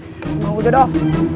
semangat gue jaduh